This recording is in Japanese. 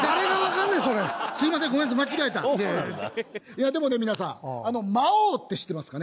いやでもね皆さん『魔王』って知ってますかね？